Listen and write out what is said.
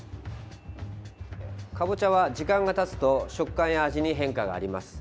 かぼちゃは時間がたつと食感や味に変化があります。